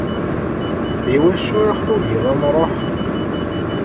Iwacu i ɣ-tugiḍ ad nruḥ?